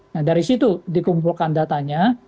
nah dari situ dikumpulkan datanya